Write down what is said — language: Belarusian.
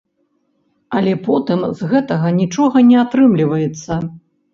Але потым з гэтага нічога не атрымліваецца.